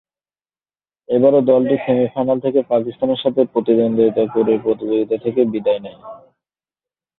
এবারও দলটি সেমি-ফাইনাল থেকে পাকিস্তানের সাথে প্রতিদ্বন্দ্বিতা করে প্রতিযোগিতা থেকে বিদায় নেয়।